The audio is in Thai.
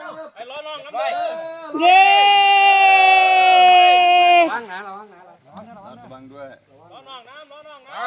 น้ำน้ำน้ำน้ำ